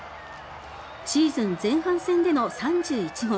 シーズン前半戦での３１号。